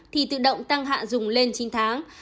thì tự động tăng hạn dùng lên chín tháng